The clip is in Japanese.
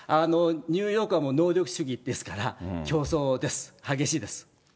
ニューヨークは能力主義ですから、競争です、激しいです。